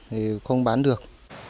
thì không bán được